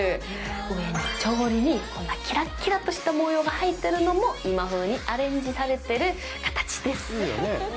上のチョゴリにキラキラとした模様が入ってるのも今風にアレンジされてる形です。